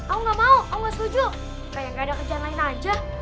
aku gak mau setuju kayak gak ada kerjaan lain aja